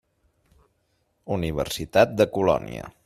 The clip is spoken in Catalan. Universitat de Colònia.